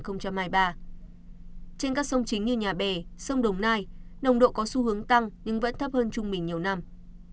trên các sông chính như nhà bè sông đồng nai nồng độ có xu hướng tăng nhưng vẫn thấp hơn trung bình nhiều năm